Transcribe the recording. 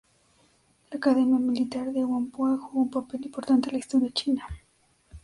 La Academia Militar de Whampoa jugó un papel importante en la Historia china.